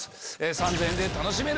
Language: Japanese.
３０００円で楽しめる。